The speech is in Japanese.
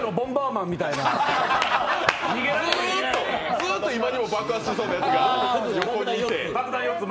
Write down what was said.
ずっと今にも爆発しそうなやつが横にいて。